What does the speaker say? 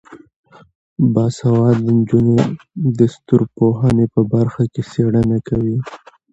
باسواده نجونې د ستورپوهنې په برخه کې څیړنه کوي.